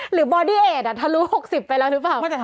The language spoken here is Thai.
หรือบอยดี้เอ็ดถ้ารู้๖๐บาทไปแล้วหรือเปล่า